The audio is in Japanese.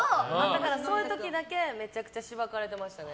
そういう時だけめちゃくちゃしばかれてましたね。